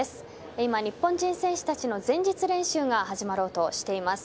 今、日本人選手たちの前日練習が始まろうとしています。